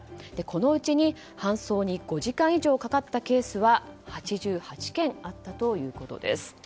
このうちに、搬送に５時間以上かかったケースは８８件あったということです。